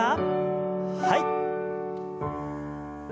はい。